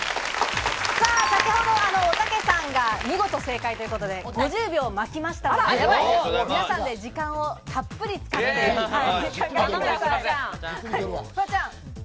先ほど、おたけさんが見事正解ということで５０秒まきましたんで、皆さんで時間をたっぷり使って答えてください。